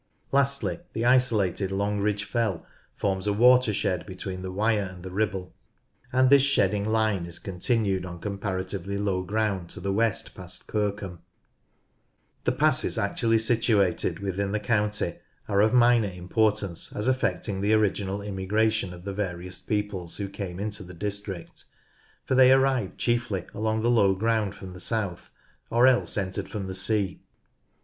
Lastly, the isolated Longridge Fell forms a watershed between the Wyre and the Ribble, and this shedding line is continued on comparatively low ground to the west past Kirkham. WATERSHEDS AND PASSES 49 The passes actually situated within the county are of minor importance as affecting the original immigration of the various peoples who came into the district, for the] arrived chiefly along the low ground from the south, or else entered from the sea.